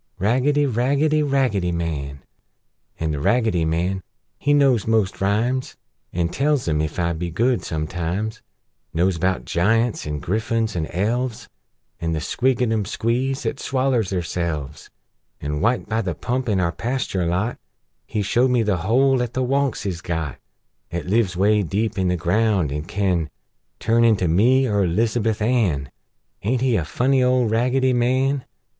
Raggedy! Raggedy! Raggedy Man! An' The Raggedy Man, he knows most rhymes An' tells 'em, ef I be good, sometimes: Knows 'bout Giunts, an' Griffuns, an' Elves, An' the Squidgicum Squees 'at swallers therselves! An', wite by the pump in our pasture lot, He showed me the hole 'at the Wunks is got, 'At lives 'way deep in the ground, an' can Turn into me, er 'Lizabuth Ann! Aint he a funny old Raggedy Man?